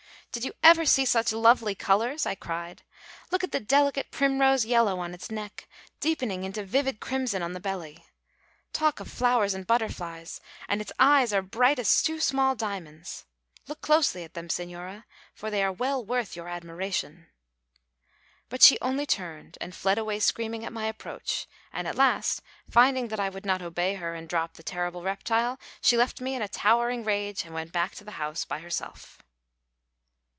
"Did you ever see such lovely colours?" I cried. "Look at the delicate primrose yellow on its neck, deepening into vivid crimson on the belly. Talk of flowers and butterflies! And its eyes are bright as two small diamonds look closely at them, señora, for they are well worth your admiration." But she only turned and fled away screaming at my approach, and at last, finding that I would not obey her and drop the terrible reptile, she left me in a towering rage and went back to the house by herself.